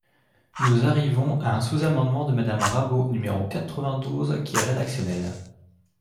Nous en arrivons à un sous-amendement de Madame Rabault, numéro quatre-vingt-douze, qui est rédactionnel.